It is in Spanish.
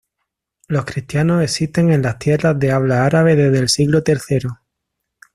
Los cristianos existen en las tierras de habla árabe desde el siglo tercero.